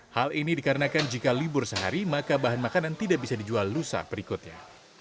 hal ini dikarenakan jika libur sehari maka bahan makanan tidak bisa dijual lusa berikutnya